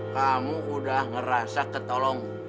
kamu udah ngerasa ketolong